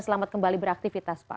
selamat kembali beraktifitas pak